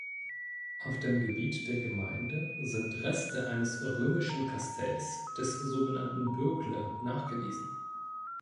Auf dem Gebiet der Gemeinde sind Reste eines römischen Kastells, des sogenannten Bürgle, nachgewiesen.